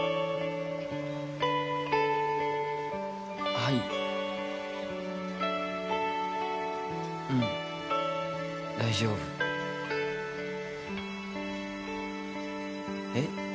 はいうん大丈夫えっ？